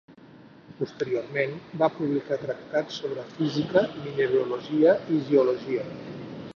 Posteriorment va publicar tractats sobre física, mineralogia i geologia.